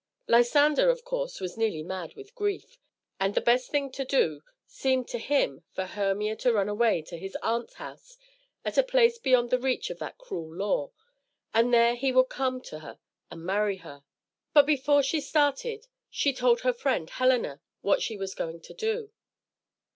Lysander of course was nearly mad with grief, and the best thing to do seemed to him for Hermia to run away to his aunt's house at a place beyond the reach of that cruel law; and there he would come to her and marry her. But before she started, she told her friend, Helena, what she was going to do.